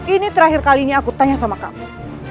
ini terakhir kali yang aku tanya sama kamu